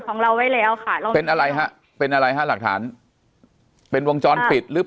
ของเราไว้แล้วค่ะเราเป็นอะไรฮะเป็นอะไรฮะหลักฐานเป็นวงจรปิดหรือ